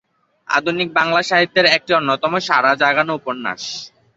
আধুনিক বাংলা সাহিত্যের একটি অন্যতম সাড়া জাগানো উপন্যাস।